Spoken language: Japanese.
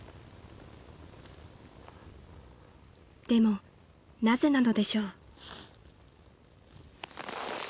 ［でもなぜなのでしょう？］